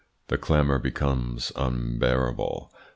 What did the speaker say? The clamour becomes unbearable."